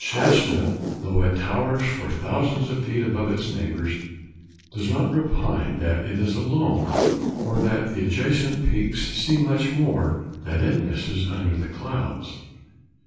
Shasta, though it towers for thousands of feet above its neighbors, does not repine that it is alone or that the adjacent peaks see much that it misses under the clouds.